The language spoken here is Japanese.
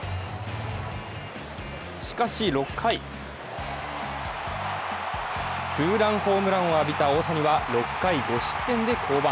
しかし６回、ツーランホームランを浴びた大谷は、６回５失点で降板。